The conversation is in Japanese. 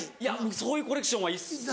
そういうコレクションは一切。